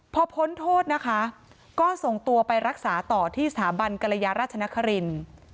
พอพ้นโทษนะคะก็ส่งตัวไปรักษาต่อที่สถาบันกรยาราชนครินทร์